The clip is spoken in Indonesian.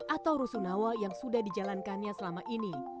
atau rusunawa yang sudah dijalankannya selama ini